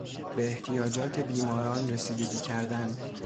به احتیاجات بیماران رسیدگی کردن